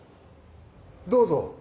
・どうぞ。